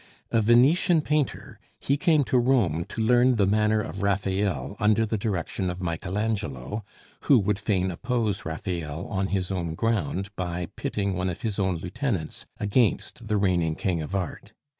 A Venetian painter, he came to Rome to learn the manner of Raphael under the direction of Michael Angelo, who would fain oppose Raphael on his own ground by pitting one of his own lieutenants against the reigning king of art.